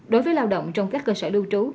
đối với lao động trong các cơ sở lưu trú